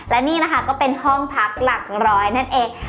และนี่นะคะก็เป็นห้องพักหลักร้อยนั่นเอง